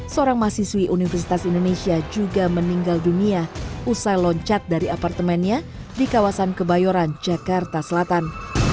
seorang mahasiswi universitas indonesia juga meninggal dunia usai loncat dari apartemennya di kawasan kebayoran jakarta selatan